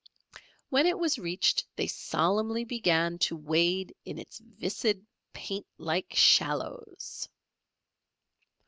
When it was reached they solemnly began to wade in its viscid paint like shallows.